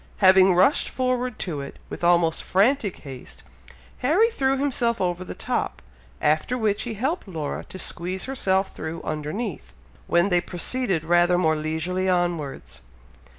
Having rushed forward to it, with almost frantic haste, Harry threw himself over the top, after which he helped Laura to squeeze herself through underneath, when they proceeded rather more leisurely onwards.